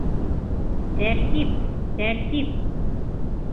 Тәртип, тәртип!